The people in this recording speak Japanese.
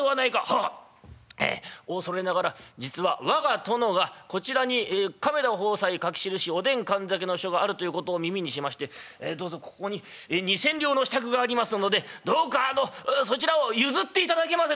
「はっおおそれながら実は我が殿がこちらに亀田鵬斎書き記しおでん燗酒の書があるということを耳にしましてどうぞここに二千両の支度がありますのでどうかそちらを譲っていただけませんか」。